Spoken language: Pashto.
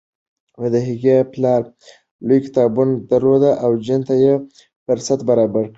د هغې پلار لوی کتابتون درلود او جین ته یې فرصت برابر کړ.